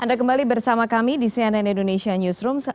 anda kembali bersama kami di cnn indonesia newsroom